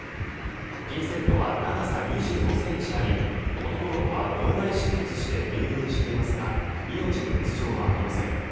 ピンセットは長さ２５ｃｍあり男の子は脳内出血して入院していますが命に別状はありません。